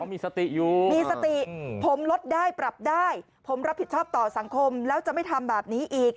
มีสติอยู่มีสติผมลดได้ปรับได้ผมรับผิดชอบต่อสังคมแล้วจะไม่ทำแบบนี้อีก